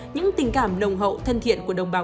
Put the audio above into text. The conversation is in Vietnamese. những tình cảm nồng hậu thân thiện của đồng bào